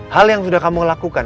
hal yang sudah kamu lakukan